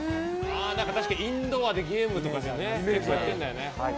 確かにインドアでゲームとかやってるんだよね。